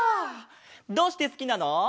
どうしてすきなの？